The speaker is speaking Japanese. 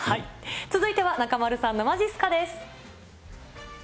続いては中丸さんのまじっすかです。